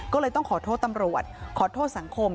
ก็เลยต้องขอโทษตำรวจขอโทษสังคม